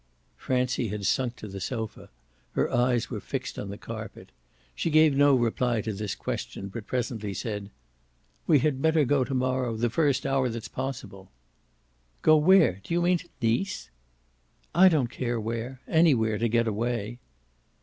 Francie had sunk to the sofa; her eyes were fixed on the carpet. She gave no reply to this question but presently said: "We had better go to morrow, the first hour that's possible." "Go where? Do you mean to Nice?" "I don't care where. Anywhere to get away."